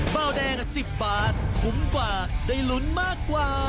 เบาแดง๑๐บาทคุ้มกว่าได้ลุ้นมากกว่า